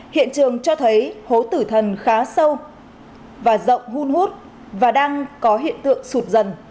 hiện trường cho thấy hố tử thần khá sâu và rộng hun hút và đang có hiện tượng sụt dần